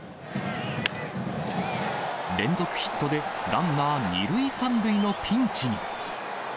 連続ヒットでランナー２塁３塁のピンチに。